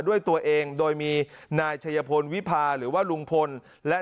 ด้วยตัวเองโดยมีนายชัยพลวิพาหรือว่าลุงพลและ